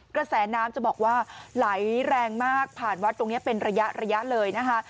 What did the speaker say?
กระแสน้ำจะบอกว่าไหลแรงมากผ่านวัดตรงนี้เป็นระยะเลยนะคะ